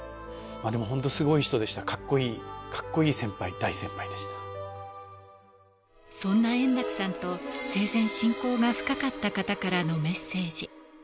でも本当すごい人でした、かっこいい、かっこいい先輩、大先輩でそんな円楽さんと、生前、親交が深かった方からのメッセージ。